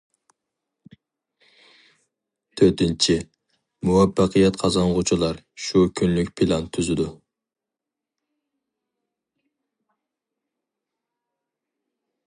تۆتىنچى، مۇۋەپپەقىيەت قازانغۇچىلار «شۇ كۈنلۈك پىلان» تۈزىدۇ.